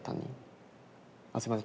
あすいません。